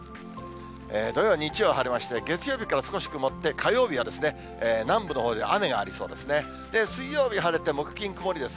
土曜、日曜晴れまして、月曜日から少し曇って、火曜日が南部のほうでは雨がありそうです。